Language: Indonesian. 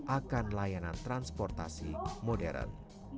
akan layanan transportasi modern